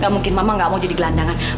gak mungkin mama gak mau jadi gelandangan